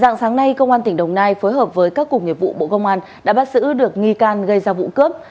dạng sáng nay công an tỉnh đồng nai phối hợp với các cục nghiệp vụ bộ công an đã bắt giữ được nghi can gây ra vụ cướp